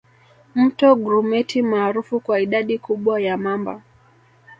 Mto Grumeti maarufu kwa idadi kubwa ya mamba